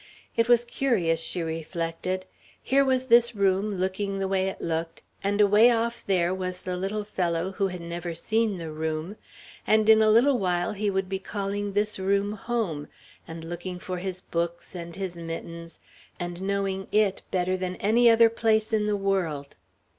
It was curious, she reflected; here was this room looking the way it looked, and away off there was the little fellow who had never seen the room; and in a little while he would be calling this room home, and looking for his books and his mittens, and knowing it better than any other place in the world.